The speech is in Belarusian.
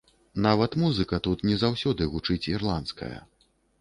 Нават музыка тут не заўсёды гучыць ірландская.